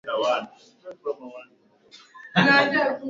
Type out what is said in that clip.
Aidha wataalamu hawa hawakuho suala la kufanana